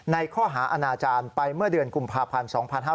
ข้อหาอาณาจารย์ไปเมื่อเดือนกุมภาพันธ์๒๕๕๙